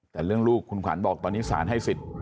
แต่เรื่องลูกคุณขวัญบอกตอนนี้สารให้สิทธิ์